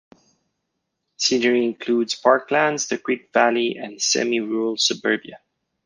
Scenery includes park lands, the creek valley, and semi-rural suburbia.